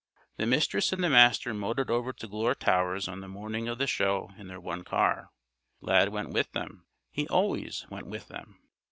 The Mistress and the Master motored over to Glure Towers on the morning of the show in their one car. Lad went with them. He always went with them.